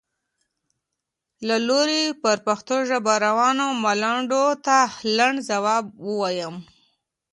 له لوري پر پښتو ژبه روانو ملنډو ته لنډ ځواب ووایم.